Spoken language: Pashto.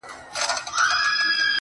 ټول بکواسیات دي,